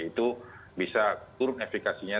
itu bisa kurun efekasinya